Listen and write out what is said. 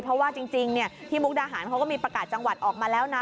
เพราะว่าจริงที่มุกดาหารเขาก็มีประกาศจังหวัดออกมาแล้วนะ